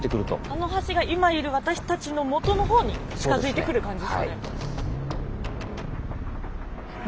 あの橋が今いる私たちのもとのほうに近づいてくる感じですかね。